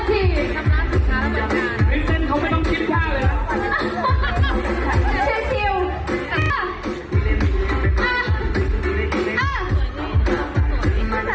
ฉันต้องเยอะต้องเยอะเอางี้ไปดูทริปของไอซ์นะคะ